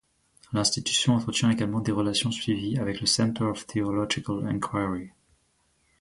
L'institution entretient également des relations suivies avec le Center of Theological Inquiry.